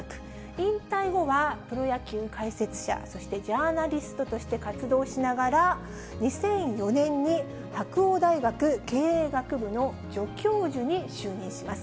引退後はプロ野球解説者、そしてジャーナリストとして活動しながら、２００４年に白おう大学経営学部の助教授に就任します。